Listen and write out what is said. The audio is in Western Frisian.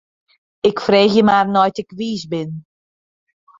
Ik freegje mar nei't ik wiis bin.